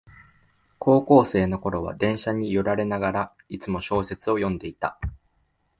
高校生のころは電車に揺られながら、いつも小説を読んでいた